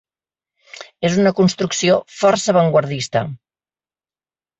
És una construcció força avantguardista.